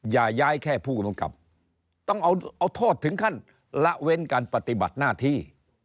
อย่าย้ายแค่ผู้กำกับต้องเอาโทษถึงขั้นละเว้นการปฏิบัติหน้าที่